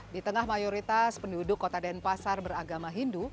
di tengah mayoritas penduduk kota denpasar beragama hindu